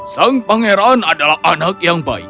sang pangeran adalah anak yang baik